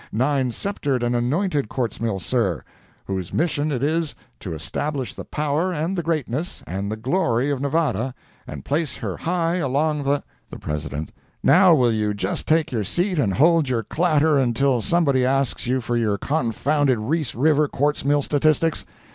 —nine sceptred and anointed quartz mills, sir, whose mission it is to establish the power, and the greatness, and the glory of Nevada, and place her high along the—" The President—"Now will you just take your seat, and hold your clatter until somebody asks you for your confounded Reese River quartz mill statistics?